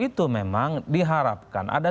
itu memang diharapkan ada